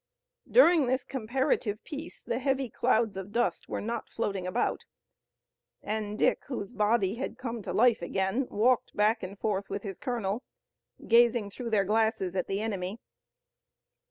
During this comparative peace, the heavy clouds of dust were not floating about, and Dick whose body had come to life again walked back and forth with his colonel, gazing through their glasses at the enemy.